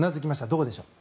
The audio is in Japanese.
どうでしょう。